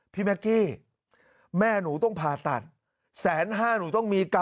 พี่แม็กกี้แม่หนูต้องผ่าตัดแสนห้าหนูต้องมีกรรม